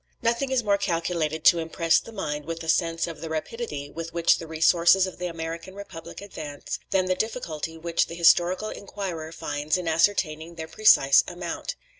] Nothing is more calculated to impress the mind with a sense of the rapidity with which the resources of the American republic advance, than the difficulty which the historical inquirer finds in ascertaining their precise amount.